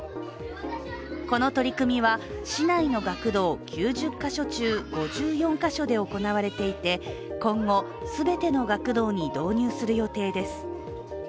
この取り組みは、市内の学童９０か所中５４か所で行われていて今後、すべての学童に導入する予定です。